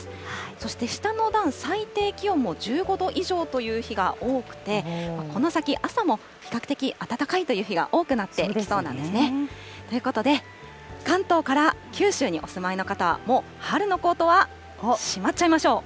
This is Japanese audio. そして下の段、最低気温も１５度以上という日が多くて、この先、朝も比較的暖かいという日が多くなってきそうなんですね。ということで、関東から九州にお住まいの方は、もう春のコートはしまっちゃいましょう。